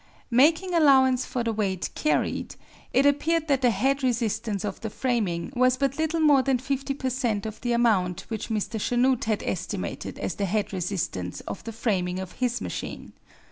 Making allowance for the weight carried, it appeared that the head resistance of the framing was but little more than 50 per cent. of the amount which Mr. Chanute had estimated as the head resistance of the framing of his machine.